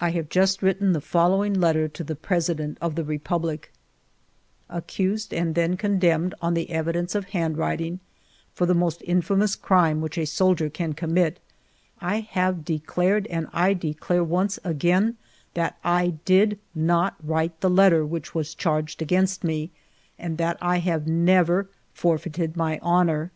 170 FIVE YEARS OF MY LIFE I have just written the following letter to the President of the Republic :—" Accused, and then condemned, on the evi dence of handwriting, for the most infamous crime which a soldier can commit, I have de clared, and I declare once again, that I did not write the letter which was charged against me, and that I have never forfeited my honor.